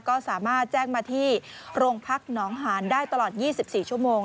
ก็สามารถแจ้งมาที่โรงพักหนองหานได้ตลอด๒๔ชั่วโมง